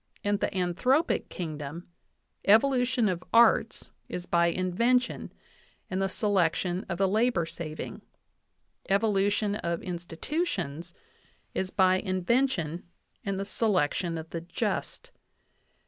... In the anthropic kingdom ... evolution of arts is by invention and the selection of the labor saving. Evolution of institu tions is by invention and the selection of the just.